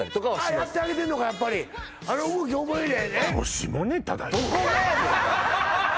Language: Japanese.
やってあげてんのかやっぱりあの動き覚えりゃ